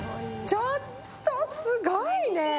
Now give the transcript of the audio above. ちょっと、すごいね。